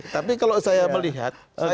tapi kalau saya melihat